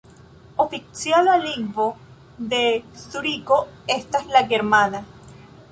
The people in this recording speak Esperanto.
Oficiala lingvo de Zuriko estas la germana.